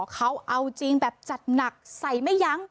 เขาเอาจริงแบบจัดหนักใส่ไม่ยั้ง